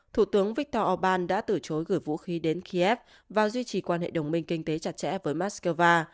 thủ tướng viktor orbán đã từ chối gửi vũ khí đến kiev và duy trì quan hệ đồng minh kinh tế chặt chẽ với moscow